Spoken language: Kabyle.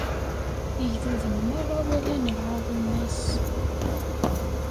Igduden merra walan lɛaḍima-s.